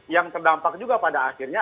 yang terdampak juga pada akhirnya